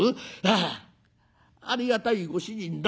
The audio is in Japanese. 『ああありがたいご主人だ。